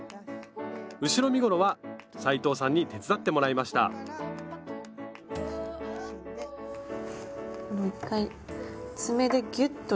後ろ身ごろは斉藤さんに手伝ってもらいました１回爪でギュッと伸ばすことが大事。